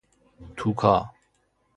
توکا